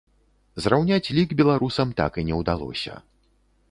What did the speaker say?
Зраўняць лік беларусам так і не ўдалося.